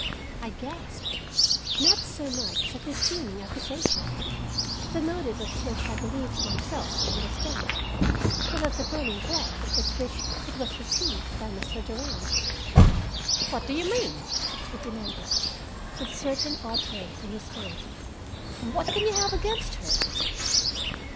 I gasped, not so much at this seeming accusation, the motive of which I believed myself to understand, but at the burning blush with which it was received by Mr. Durand. "What do you mean?" he demanded, with certain odd breaks in his voice. "What can you have against her?"